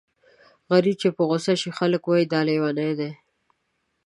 غريب چې په غوسه شي خلک وايي دا لېونی دی.